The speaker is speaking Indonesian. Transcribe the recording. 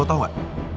lo tau gak